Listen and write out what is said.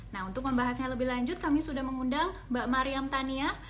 nah untuk membahasnya lebih lanjut kami sudah mengundang mbak mariam tania